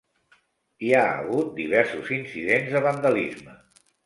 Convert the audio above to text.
Hi ha hagut diversos incidents de vandalisme.